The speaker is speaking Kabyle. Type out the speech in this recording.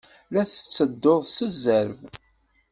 La tettedduḍ s zzerb.